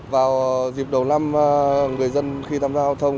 vào dịp đầu năm người dân khi tham gia giao thông